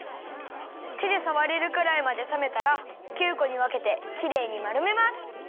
てでさわれるくらいまでさめたら９こにわけてきれいにまるめます。